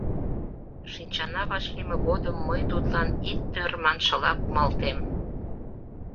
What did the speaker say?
Шинчана вашлийме годым мый тудлан ит ӧр маншыла кумалтем.